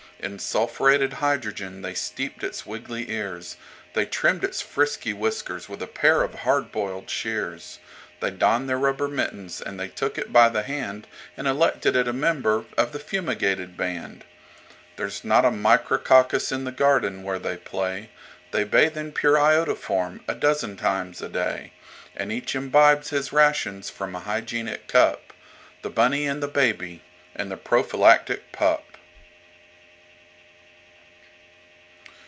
In sulphurated hydrogen they steeped its wiggly ears; They trimmed its frisky whiskers with a pair of hard boiled shears; They donned their rubber mittens and they took it by the handAnd elected it a member of the Fumigated Band.There's not a Micrococcus in the garden where they play; They bathe in pure iodoform a dozen times a day; And each imbibes his rations from a Hygienic Cup—The Bunny and the Baby and the Prophylactic Pup.